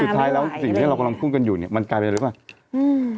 สุดท้ายแล้วสิ่งที่เราพลังพูดกันอยู่นี่มันกลายมาเร็วมาก